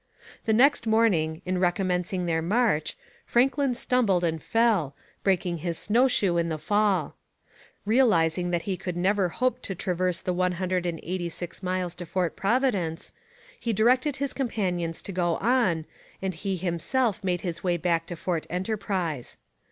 The next morning, in recommencing their march, Franklin stumbled and fell, breaking his snow shoe in the fall. Realizing that he could never hope to traverse the one hundred and eighty six miles to Fort Providence, he directed his companions to go on, and he himself made his way back to Fort Enterprise.